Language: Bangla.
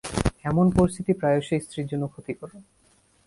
এমন পরিস্থিতি প্রায়শই স্ত্রীর জন্য ক্ষতিকর।